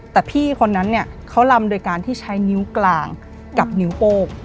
แต่พี่คนนั้นเนี่ยเขาลำโดยการที่ใช้นิ้วกลางกับนิ้วโป้ง